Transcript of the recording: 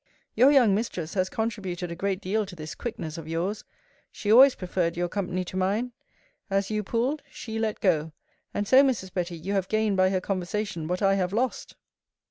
Your young mistress has contributed a great deal to this quickness of yours. She always preferred your company to mine. As you pulled, she let go; and so, Mrs. Betty, you have gained by her conversation what I have lost.